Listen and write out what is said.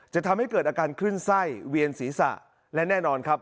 จะทำให้เกิดอาการขึ้นไส้เวียนศีรษะและแน่นอนครับ